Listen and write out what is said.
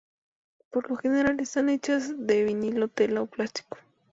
Por lo general están hechas de vinilo, tela o plástico.